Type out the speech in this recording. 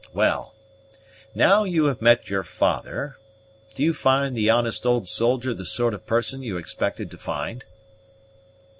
Well, now you have met your father, do you find the honest old soldier the sort of person you expected to find?"